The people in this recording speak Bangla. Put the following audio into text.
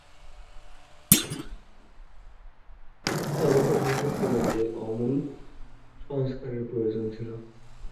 তার উপসংহার ছিল যে, আমূল সংস্কারের প্রয়োজন ছিল।